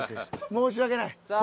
申し訳ない。